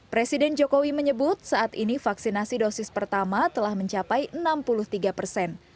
presiden jokowi menyebut saat ini vaksinasi dosis pertama telah mencapai enam puluh tiga persen